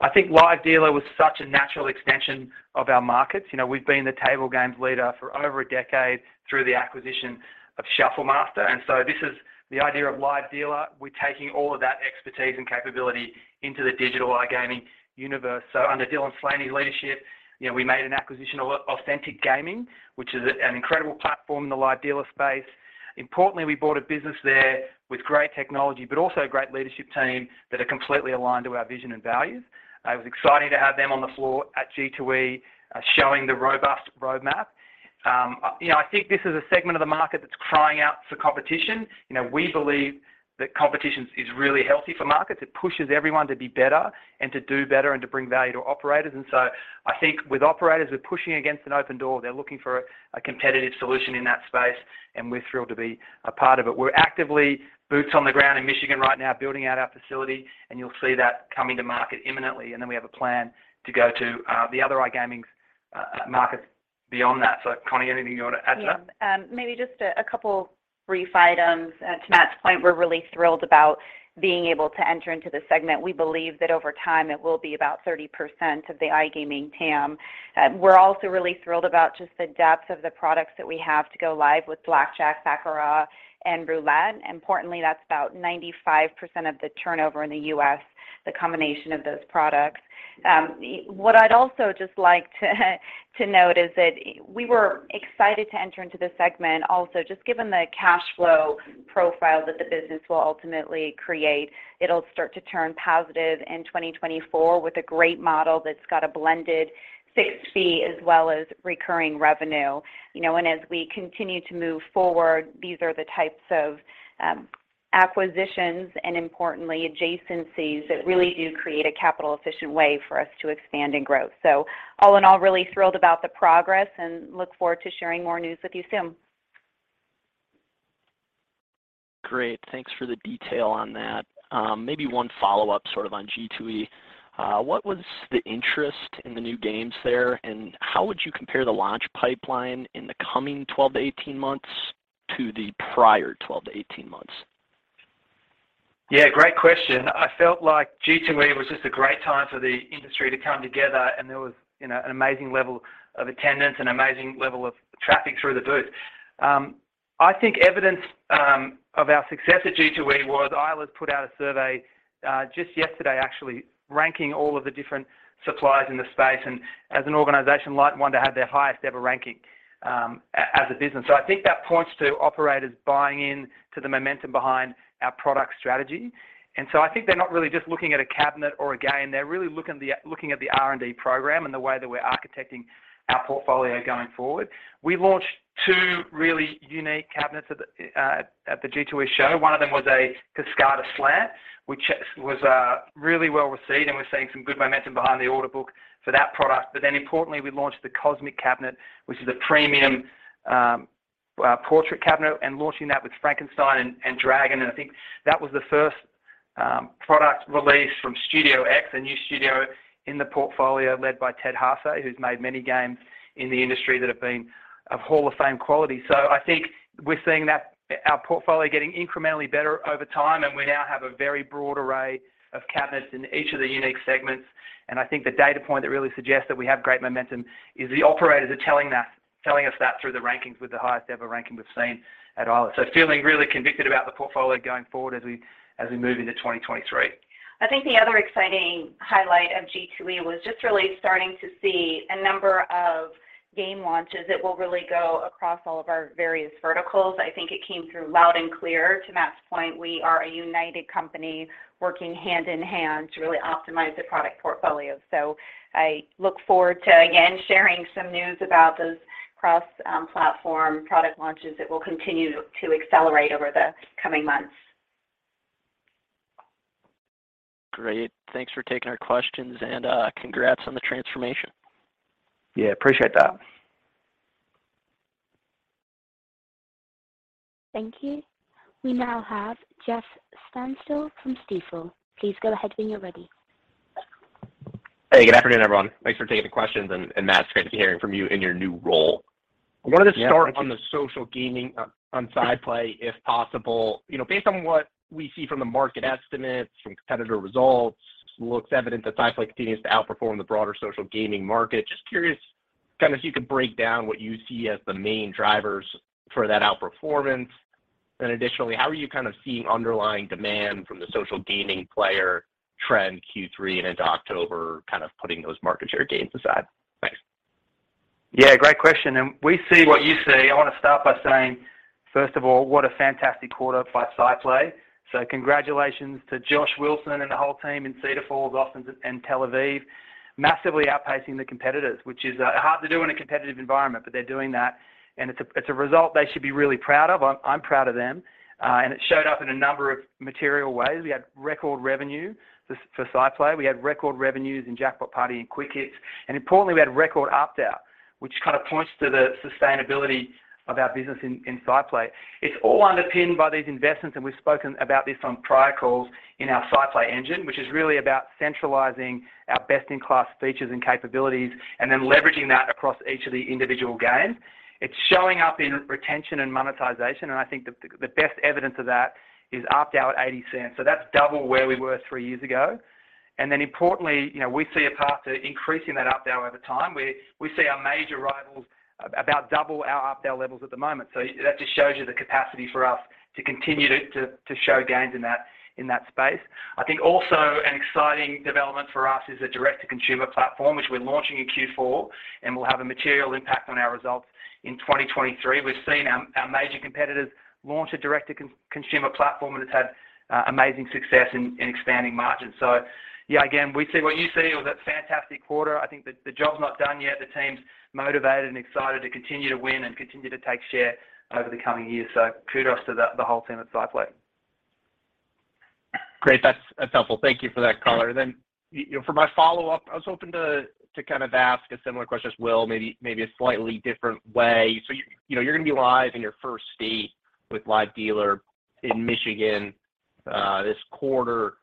[SPEAKER 3] I think live dealer was such a natural extension of our markets. You know, we've been the table games leader for over a decade through the acquisition of Shuffle Master. This is the idea of live dealer. We're taking all of that expertise and capability into the digital iGaming universe. Under Dylan Slaney's leadership, you know, we made an acquisition of Authentic Gaming, which is an incredible platform in the live dealer space. Importantly, we bought a business there with great technology, but also a great leadership team that are completely aligned to our vision and values. It was exciting to have them on the floor at G2E, showing the robust roadmap. You know, I think this is a segment of the market that's crying out for competition. You know, we believe that competition is really healthy for markets. It pushes everyone to be better and to do better and to bring value to operators. I think with operators, we're pushing against an open door. They're looking for a competitive solution in that space, and we're thrilled to be a part of it. We're actively boots on the ground in Michigan right now, building out our facility, and you'll see that coming to market imminently. We have a plan to go to the other iGaming markets beyond that. Connie, anything you want to add to that?
[SPEAKER 4] Yeah. Maybe just a couple brief items. To Matt's point, we're really thrilled about being able to enter into the segment. We believe that over time it will be about 30% of the iGaming TAM. We're also really thrilled about just the depth of the products that we have to go live with blackjack, baccarat, and roulette. Importantly, that's about 95% of the turnover in the U.S., the combination of those products. What I'd also just like to note is that we were excited to enter into the segment also just given the cash flow profile that the business will ultimately create. It'll start to turn positive in 2024 with a great model that's got a blended fixed fee as well as recurring revenue. You know, as we continue to move forward, these are the types of acquisitions and importantly adjacencies that really do create a capital efficient way for us to expand and grow. All in all, really thrilled about the progress and look forward to sharing more news with you soon.
[SPEAKER 7] Great. Thanks for the detail on that. Maybe one follow-up sort of on G2E. What was the interest in the new games there, and how would you compare the launch pipeline in the coming 12 months-18 months to the prior 12 months-18 months?
[SPEAKER 3] Yeah, great question. I felt like G2E was just a great time for the industry to come together, and there was, you know, an amazing level of attendance, an amazing level of traffic through the booth. I think evidence of our success at G2E was Eilers put out a survey just yesterday actually, ranking all of the different suppliers in the space. As an organization, Light & Wonder had their highest ever ranking as a business. I think that points to operators buying in to the momentum behind our product strategy. I think they're not really just looking at a cabinet or a game. They're really looking at the R&D program and the way that we're architecting our portfolio going forward. We launched 2 really unique cabinets at the G2E show. One of them was a KASCADA Slant, which was really well received, and we're seeing some good momentum behind the order book for that product. Importantly, we launched the COSMIC Cabinet, which is a premium portrait cabinet, and launching that with Frankenstein and Dragon. I think that was the first product release from Studio X, a new studio in the portfolio led by Ted Hase, who's made many games in the industry that have been of Hall of Fame quality. I think we're seeing that our portfolio getting incrementally better over time, and we now have a very broad array of cabinets in each of the unique segments. I think the data point that really suggests that we have great momentum is the operators are telling us that through the rankings with the highest ever ranking we've seen at Eilers. Feeling really convicted about the portfolio going forward as we move into 2023.
[SPEAKER 4] I think the other exciting highlight of G2E was just really starting to see a number of game launches that will really go across all of our various verticals. I think it came through loud and clear, to Matt's point, we are a united company working hand in hand to really optimize the product portfolio. I look forward to, again, sharing some news about those cross-platform product launches that will continue to accelerate over the coming months.
[SPEAKER 7] Great. Thanks for taking our questions, and, congrats on the transformation.
[SPEAKER 3] Yeah, appreciate that.
[SPEAKER 1] Thank you. We now have Jeff Stantial from Stifel. Please go ahead when you're ready.
[SPEAKER 8] Hey, good afternoon, everyone. Thanks for taking the questions. Matt, it's great to be hearing from you in your new role.
[SPEAKER 3] Yeah. Thank you.
[SPEAKER 8] I wanted to start on the social gaming, on SciPlay if possible. You know, based on what we see from the market estimates, from competitor results, it looks evident that SciPlay continues to outperform the broader social gaming market. Just curious, kind of if you could break down what you see as the main drivers for that outperformance. Additionally, how are you kind of seeing underlying demand from the social gaming player trend Q3 and into October, kind of putting those market share gains aside? Thanks.
[SPEAKER 3] Yeah, great question. We see what you see. I wanna start by saying, first of all, what a fantastic quarter by SciPlay. Congratulations to Josh Wilson and the whole team in Cedar Falls, Austin, and Tel Aviv. Massively outpacing the competitors, which is hard to do in a competitive environment, but they're doing that, and it's a result they should be really proud of. I'm proud of them. It showed up in a number of material ways. We had record revenue for SciPlay. We had record revenues in Jackpot Party and Quick Hits, and importantly, we had record ARPDAU, which kind of points to the sustainability of our business in SciPlay. It's all underpinned by these investments, and we've spoken about this on prior calls in our SciPlay engine, which is really about centralizing our best-in-class features and capabilities and then leveraging that across each of the individual games. It's showing up in retention and monetization, and I think the best evidence of that is ARPDAU at $0.80. That's double where we were 3 years ago. Importantly, you know, we see a path to increasing that ARPDAU over time. We see our major rivals about double our ARPDAU levels at the moment. That just shows you the capacity for us to continue to show gains in that space. I think also an exciting development for us is the direct-to-consumer platform, which we're launching in Q4, and will have a material impact on our results in 2023. We've seen our major competitors launch a direct-to-consumer platform, and it's had amazing success in expanding margins. Yeah, again, we see what you see. It was a fantastic quarter. I think the job's not done yet. The team's motivated and excited to continue to win and continue to take share over the coming years. Kudos to the whole team at SciPlay.
[SPEAKER 8] Great. That's helpful. Thank you for that color. You know, for my follow-up, I was hoping to kind of ask a similar question as Will, maybe a slightly different way. You're gonna be live in your first state with live dealer in Michigan this quarter.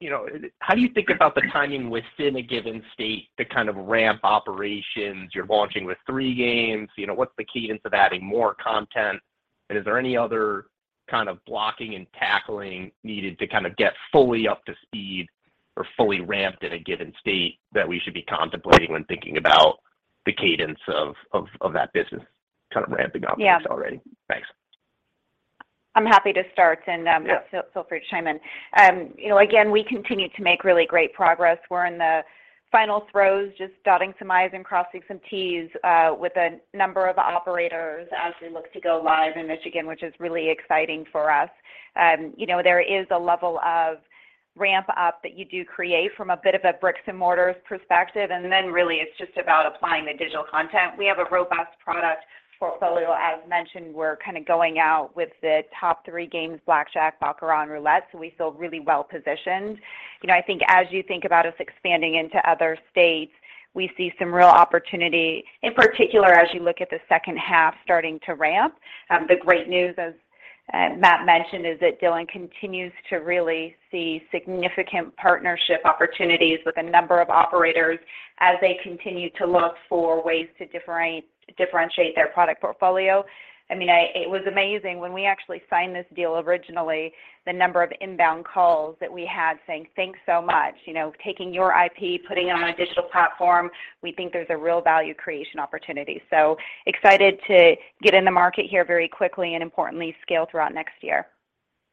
[SPEAKER 8] You know, how do you think about the timing within a given state to kind of ramp operations? You're launching with 3 games. You know, what's the cadence of adding more content? And is there any other kind of blocking and tackling needed to kind of get fully up to speed or fully ramped in a given state that we should be contemplating when thinking about the cadence of that business kind of ramping up?
[SPEAKER 4] Yeah.
[SPEAKER 8] Already? Thanks.
[SPEAKER 4] I'm happy to start.
[SPEAKER 3] Yeah.
[SPEAKER 4] Matt, feel free to chime in. You know, again, we continue to make really great progress. We're in the final throes, just dotting some i's and crossing some t's, with a number of operators as we look to go live in Michigan, which is really exciting for us. You know, there is a level of ramp-up that you do create from a bit of a bricks and mortar perspective, and then really it's just about applying the digital content. We have a robust product portfolio. As mentioned, we're kind of going out with the top three games, blackjack, baccarat, and roulette, so we feel really well-positioned. You know, I think as you think about us expanding into other states, we see some real opportunity, in particular, as you look at the second half starting to ramp. The great news, as Matt mentioned, is that Dylan continues to really see significant partnership opportunities with a number of operators as they continue to look for ways to differentiate their product portfolio. I mean, it was amazing when we actually signed this deal originally, the number of inbound calls that we had saying, "Thanks so much. You know, taking your IP, putting it on a digital platform, we think there's a real value creation opportunity." So excited to get in the market here very quickly and importantly scale throughout next year.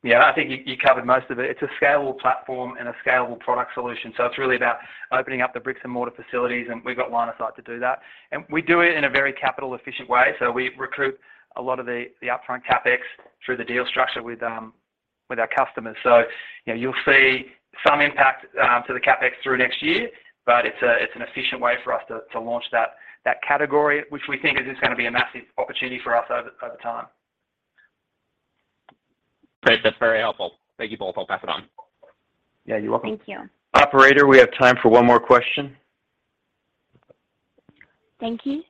[SPEAKER 3] Yeah. I think you covered most of it. It's a scalable platform and a scalable product solution. It's really about opening up the bricks and mortar facilities, and we've got line of sight to do that. We do it in a very capital efficient way. We recruit a lot of the upfront CapEx through the deal structure with our customers. You know, you'll see some impact to the CapEx through next year, but it's an efficient way for us to launch that category, which we think is just gonna be a massive opportunity for us over time.
[SPEAKER 8] Great. That's very helpful. Thank you both. I'll pass it on.
[SPEAKER 3] Yeah, you're welcome.
[SPEAKER 4] Thank you.
[SPEAKER 2] Operator, we have time for one more question.
[SPEAKER 1] Thank you.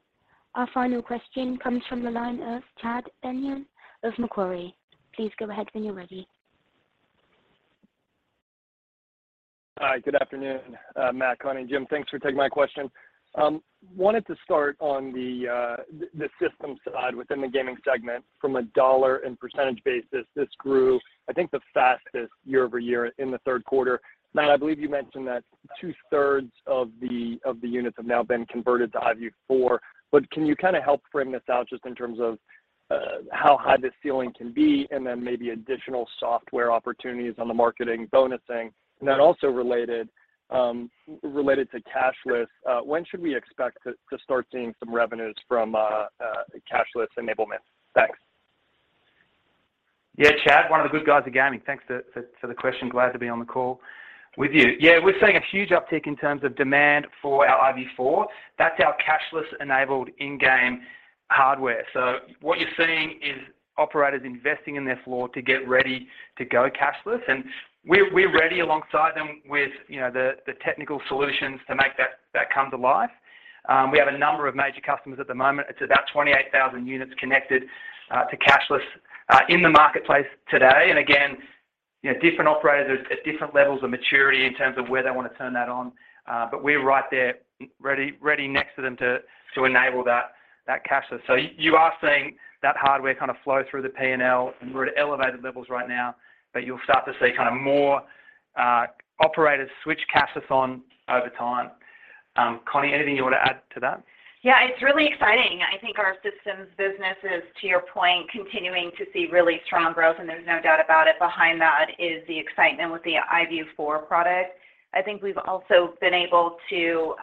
[SPEAKER 1] Our final question comes from the line of Chad Beynon of Macquarie. Please go ahead when you're ready.
[SPEAKER 9] Hi, good afternoon, Matt, Connie, and Jim. Thanks for taking my question. Wanted to start on the system side within the gaming segment. From a dollar and percentage basis, this grew, I think, the fastest year-over-year in the third quarter. Matt, I believe you mentioned that two-thirds of the units have now been converted to iVIEW 4. Can you kind of help frame this out just in terms of how high this ceiling can be and then maybe additional software opportunities on the marketing bonusing? Then also related to cashless, when should we expect to start seeing some revenues from cashless enablement? Thanks.
[SPEAKER 3] Yeah, Chad, one of the good guys of gaming. Thanks for the question. Glad to be on the call with you. Yeah. We're seeing a huge uptick in terms of demand for our iVIEW 4. That's our cashless-enabled in-game hardware. So what you're seeing is operators investing in their floor to get ready to go cashless. We're ready alongside them with, you know, the technical solutions to make that come to life. We have a number of major customers at the moment. It's about 28,000 units connected to cashless in the marketplace today. Again, you know, different operators at different levels of maturity in terms of where they wanna turn that on. But we're right there ready next to them to enable that cashless. You are seeing that hardware kind of flow through the P&L, and we're at elevated levels right now, but you'll start to see kind of more operators switch cashless on over time. Connie, anything you want to add to that?
[SPEAKER 4] Yeah, it's really exciting. I think our systems business is, to your point, continuing to see really strong growth, and there's no doubt about it. Behind that is the excitement with the iVIEW 4 product. I think we've also been able to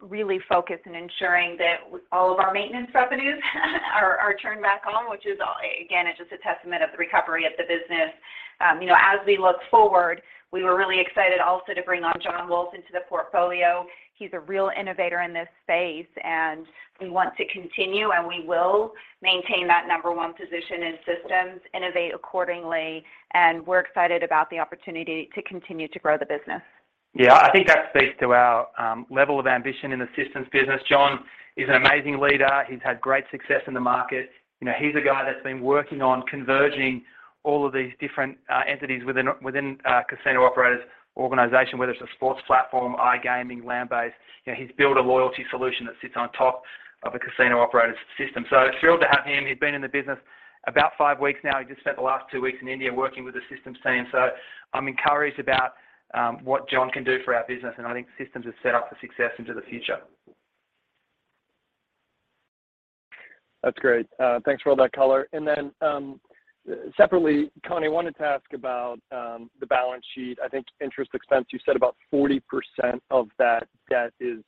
[SPEAKER 4] really focus in ensuring that all of our maintenance revenues are turned back on, which is again just a testament of the recovery of the business. You know, as we look forward, we were really excited also to bring on Jon Wolfe into the portfolio. He's a real innovator in this space, and we want to continue, and we will maintain that number one position in systems, innovate accordingly, and we're excited about the opportunity to continue to grow the business.
[SPEAKER 3] Yeah. I think that speaks to our level of ambition in the systems business. Jon is an amazing leader. He's had great success in the market. You know, he's a guy that's been working on converging all of these different entities within a casino operator's organization, whether it's a sports platform, iGaming, land-based. You know, he's built a loyalty solution that sits on top of a casino operator's system. Thrilled to have him. He's been in the business about five weeks now. He just spent the last two weeks in India working with the systems team. I'm encouraged about what Jon can do for our business, and I think systems are set up for success into the future.
[SPEAKER 9] That's great. Thanks for all that color. Separately, Connie, wanted to ask about the balance sheet. I think interest expense, you said about 40% of that debt is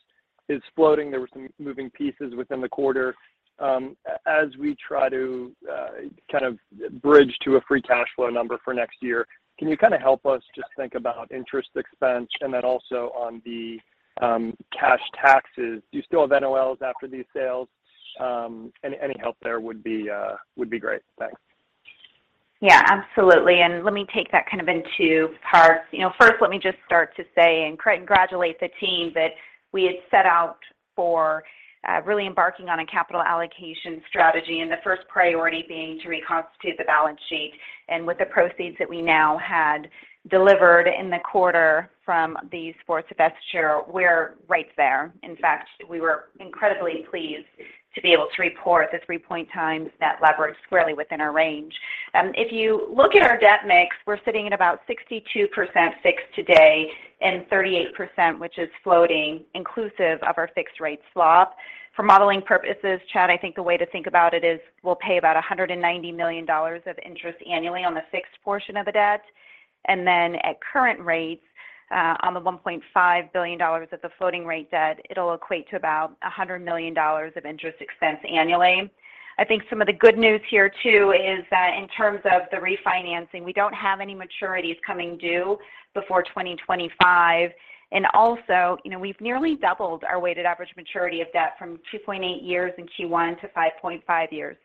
[SPEAKER 9] floating. There were some moving pieces within the quarter. As we try to kind of bridge to a free cash flow number for next year, can you kinda help us just think about interest expense and then also on the cash taxes? Do you still have NOLs after these sales? Any help there would be great. Thanks.
[SPEAKER 4] Yeah, absolutely. Let me take that kind of into parts. You know, first, let me just start to say and congratulate the team that we had set out for, really embarking on a capital allocation strategy, and the first priority being to reconstitute the balance sheet. With the proceeds that we now had delivered in the quarter from the sports divestiture, we're right there. In fact, we were incredibly pleased to be able to report the 3x net leverage squarely within our range. If you look at our debt mix, we're sitting at about 62% fixed today and 38%, which is floating, inclusive of our fixed rate swap. For modeling purposes, Chad, I think the way to think about it is we'll pay about $190 million of interest annually on the fixed portion of the debt. At current rates, on the $1.5 billion of the floating rate debt, it'll equate to about $100 million of interest expense annually. I think some of the good news here too is that in terms of the refinancing, we don't have any maturities coming due before 2025. You know, we've nearly doubled our weighted average maturity of debt from 2.8 years in Q1 to 5.5 years.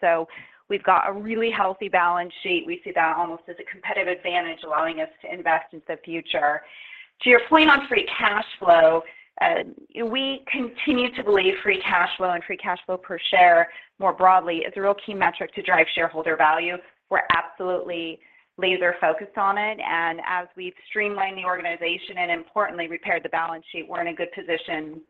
[SPEAKER 4] We've got a really healthy balance sheet. We see that almost as a competitive advantage, allowing us to invest in the future. To your point on free cash flow, we continue to believe free cash flow and free cash flow per share, more broadly, is a real key metric to drive shareholder value. We're absolutely laser focused on it. As we've streamlined the organization and importantly repaired the balance sheet, we're in a good position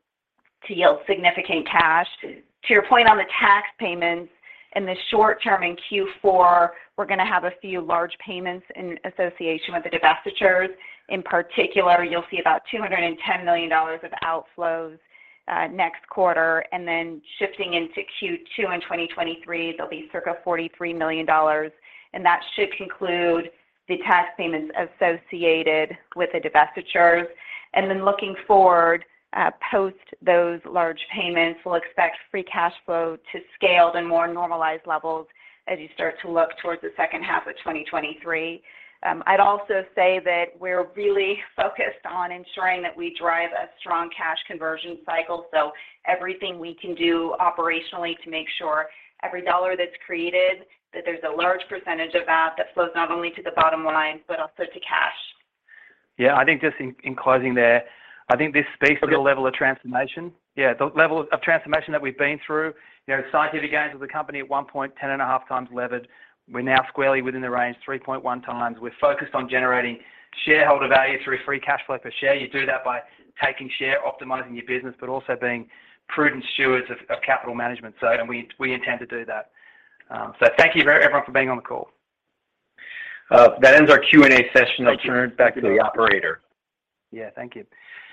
[SPEAKER 4] to yield significant cash. To your point on the tax payments, in the short term in Q4, we're gonna have a few large payments in association with the divestitures. In particular, you'll see about $210 million of outflows next quarter. Then shifting into Q2 in 2023, there'll be circa $43 million, and that should conclude the tax payments associated with the divestitures. Then looking forward, post those large payments, we'll expect free cash flow to scale to more normalized levels as you start to look towards the second half of 2023. I'd also say that we're really focused on ensuring that we drive a strong cash conversion cycle, so everything we can do operationally to make sure every dollar that's created, that there's a large percentage of that that flows not only to the bottom line but also to cash.
[SPEAKER 3] Yeah. I think just in closing there, I think this speaks to the level of transformation. Yeah, the level of transformation that we've been through. You know, at the start of the year, again, as a company at 10.5x levered. We're now squarely within the range, 3.1x. We're focused on generating shareholder value through free cash flow per share. You do that by taking share, optimizing your business, but also being prudent stewards of capital management. We intend to do that. Thank you, everyone for being on the call.
[SPEAKER 2] That ends our Q&A session.
[SPEAKER 3] Thank you.
[SPEAKER 2] I'll turn it back to the operator.
[SPEAKER 3] Yeah. Thank you.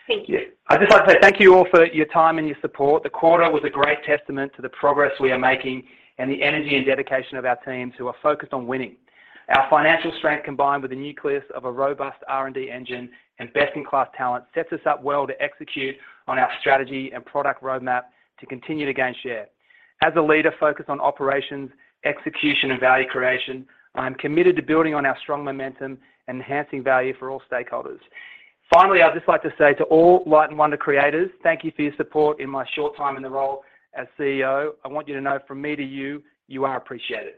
[SPEAKER 4] Thank you.
[SPEAKER 3] I'd just like to say thank you all for your time and your support. The quarter was a great testament to the progress we are making and the energy and dedication of our teams who are focused on winning. Our financial strength, combined with the nucleus of a robust R&D engine and best-in-class talent, sets us up well to execute on our strategy and product roadmap to continue to gain share. As a leader focused on operations, execution, and value creation, I'm committed to building on our strong momentum and enhancing value for all stakeholders. Finally, I'd just like to say to all Light & Wonder creators, thank you for your support in my short time in the role as CEO. I want you to know from me to you are appreciated.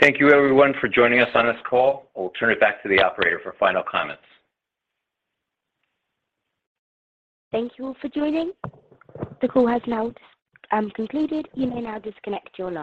[SPEAKER 2] Thank you everyone for joining us on this call. I'll turn it back to the operator for final comments.
[SPEAKER 1] Thank you all for joining. The call has now concluded. You may now disconnect your lines.